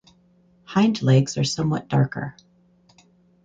Hind legs are somewhat darker.